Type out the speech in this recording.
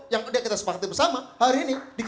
yang kita sepakati bersama hari ini